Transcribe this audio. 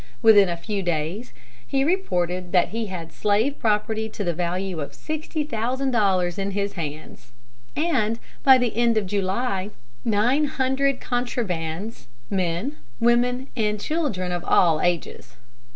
Within a few days he reported that he had slave property to the value of $60,000 in his hands, and by the end of July nine hundred "contrabands," men, women, and children, of all ages.